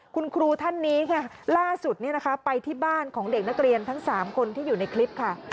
คุณครูท่านนี้ค่ะล่าสุดไปที่บ้านของเด็กนักเรียนทั้ง๓คนที่อยู่ในคลิปค่ะ